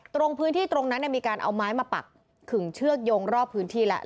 ตรงพื้นที่ตรงนั้นมีการเอาไม้มาปักขึงเชือกโยงรอบพื้นที่แล้ว